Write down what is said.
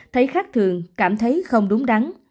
thấy khác thường cảm thấy không đúng đắn